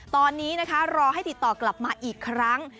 ตอนนี้นะคะรอให้ติดต่อกลับมาอีกครั้ง